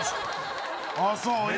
ああ、そう。